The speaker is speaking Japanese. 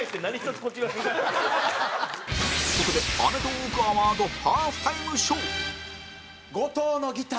ここで『アメトーーク』アワードハーフタイムショー後藤のギター。